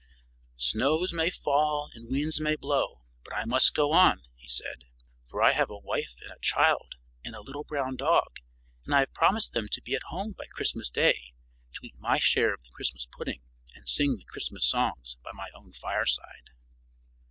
"Snows may fall and winds may blow, but I must go on," he said, "for I have a wife and a child and a little brown dog; and I have promised them to be at home by Christmas day to eat my share of the Christmas pudding and sing the Christmas songs by my own fireside."